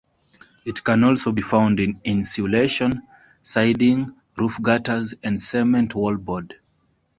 It can also be found in insulation, siding, roof gutters, and cement wallboard.